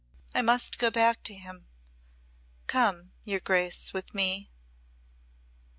I must go back to him. Come, your Grace, with me."